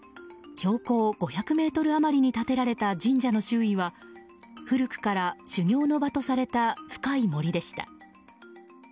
標高５００ｍあまりに立てられた神社の周囲は古くから修行の場とされた深い森でした。